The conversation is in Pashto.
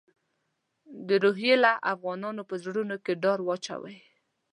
د روهیله افغانانو په زړونو کې ډار واچوي.